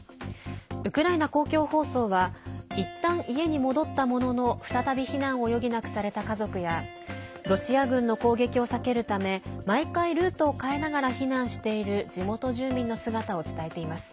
ウクライナ公共放送はいったん家に戻ったものの再び避難を余儀なくされた家族やロシア軍の攻撃を避けるため毎回ルートを変えながら避難している地元住民の姿を伝えています。